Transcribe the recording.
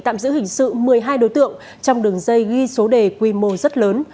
tạm giữ hình sự một mươi hai đối tượng trong đường dây ghi số đề quy mô rất lớn